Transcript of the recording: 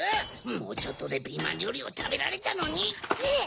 もうちょっとでピーマンりょうりをたべられたのに！ねぇ